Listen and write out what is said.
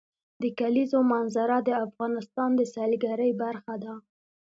د کلیزو منظره د افغانستان د سیلګرۍ برخه ده.